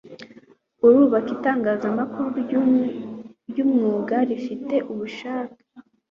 ukubaka itangazamakuru ry'umwuga rifite ubushake